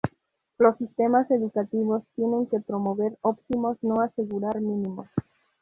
Los sistemas educativos tienen que promover óptimos, no asegurar mínimos.